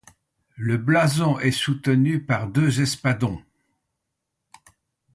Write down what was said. Le blason est soutenu par deux espadons.